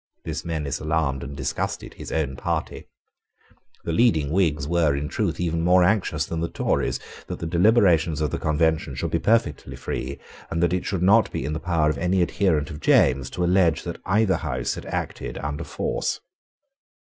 This menace alarmed and disgusted his own party. The leading Whigs were, in truth, even more anxious than the Tories that the deliberations of the Convention should be perfectly free, and that it should not be in the power of any adherent of James to allege that either House had acted under force.